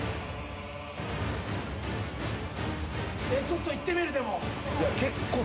ちょっといってみるでも。